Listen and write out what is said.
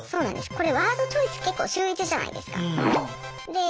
これワードチョイス結構秀逸じゃないですか？